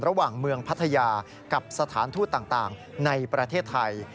ระหว่างเมืองพัทยากับสถานทูตต่างในประเทศไทย